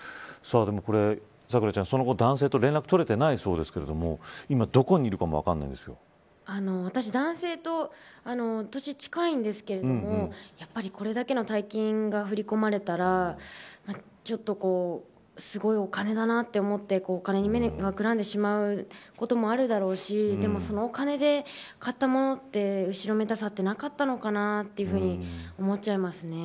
咲楽ちゃん、その後、男性と連絡が取れていないそうですが今、どこにいるかも私、男性と年が近いんですけれどもこれだけの大金が振り込まれたらちょっとすごいお金だなと思ってお金に目がくらんでしまうこともあるだろうしでも、そのお金で買ったものって後ろめたさはなかったのかなと思っちゃいますね。